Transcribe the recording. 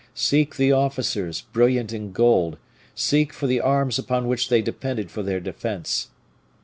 Seek the officers, brilliant in gold, seek for the arms upon which they depended for their defense.